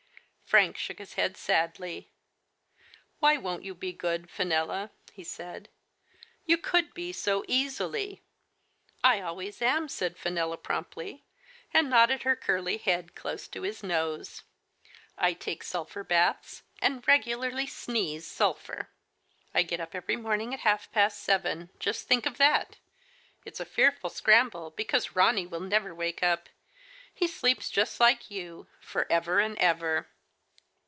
Frank shook his head sadly. " Why won't you be good, Fenella ?" he said. " You could be so easily. " I always am," said Fenella promptly, and nodded her curly head close to his nose. " I take sulphur baths, and regularly sneeze sulphur. I get up every morning at half past seven. Just think of that ! It's a fearful scramble, because Ronny never will wake up. He sleeps just like you, for ever and ever."